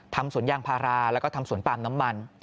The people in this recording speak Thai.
ทำสวนยางพาราและทำสวนปลามน้ำมัน